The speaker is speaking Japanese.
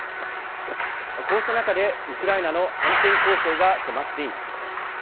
こうした中でウクライナの反転攻勢が迫っています。